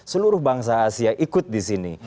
seluruh bangsa asia ikut di sini